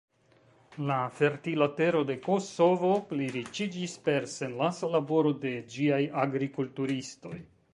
La fertila tero de Kosovo pliriĉiĝis per senlaca laboro de ĝiaj agrikulturistoj.